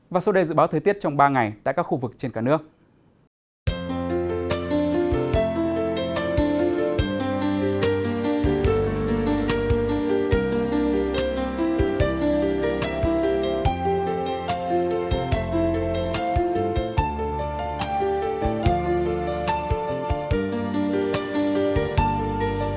và sau đây dự báo thời tiết trong ba ngày tại các khu vực trên cả nước